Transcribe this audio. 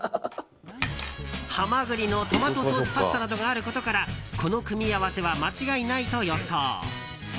ハマグリのトマトソースパスタなどがあることからこの組み合わせは間違いないと予想。